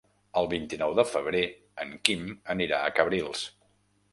El vint-i-nou de febrer en Quim anirà a Cabrils.